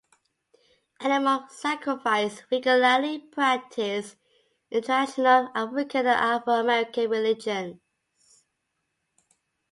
Animal sacrifice is regularly practiced in traditional African and Afro-American religions.